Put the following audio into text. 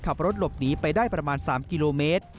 ขับรถหลบหนีไปได้ประมาณ๓กิโลเมตร